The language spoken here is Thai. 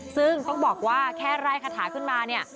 ซึ่งต้องบอกว่าแค่ไล่คาถาขึ้นมาเนี่ย